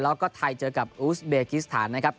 แล้วก็ไทยเจอกับอูสเบกิสถานนะครับ